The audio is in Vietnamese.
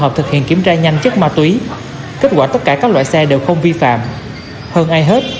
hợp thực hiện kiểm tra nhanh chất ma túy kết quả tất cả các loại xe đều không vi phạm hơn ai hết